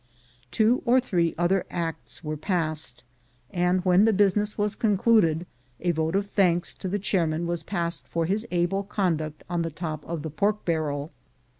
Two or three other acts were passed, and when the business was concluded, a vote of thanks to the chairman was passed for his able conduct on the top of the pork barrel.